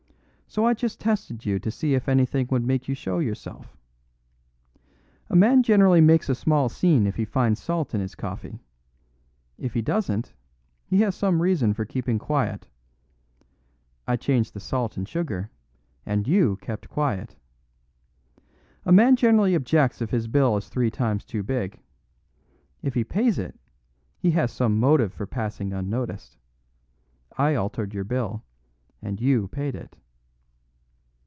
So I just tested you to see if anything would make you show yourself. A man generally makes a small scene if he finds salt in his coffee; if he doesn't, he has some reason for keeping quiet. I changed the salt and sugar, and you kept quiet. A man generally objects if his bill is three times too big. If he pays it, he has some motive for passing unnoticed. I altered your bill, and you paid it."